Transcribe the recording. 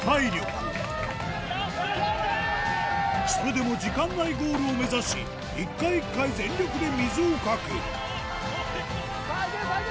それでも時間内ゴールを目指し１回１回全力で水をかくさぁいけさぁいけ！